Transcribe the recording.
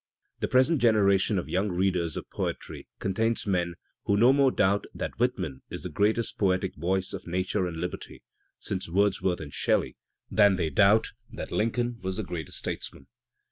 The present generation of young readers of poetry contains men who no more doubt that Whitman is the greatest poetic voice of nature and liberty since Wordsworth and Shelley than they doubt that Lincoln was the greatest statesman.